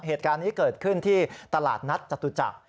เหตุการณ์นี้เกิดขึ้นที่ตลาดนัดจตุจักร